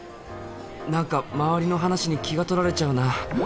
何か周りの話に気が取られちゃうな